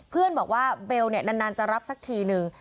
เพื่อนบอกว่าเบลนานจะรับสักทีนึง